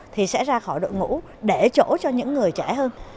thì sẽ ra khỏi đội ngũ để chỗ cho những người trẻ hơn